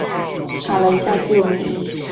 查了一下記錄